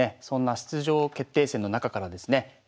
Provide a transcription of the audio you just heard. そんな出場決定戦の中からですね